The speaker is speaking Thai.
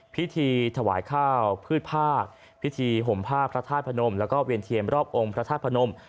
พิธีถวายข้าวพืชภาคพิธีโหมภาคพระธาตุพระนมและเวียนเถียนรอบองค์พระธาตุพระนม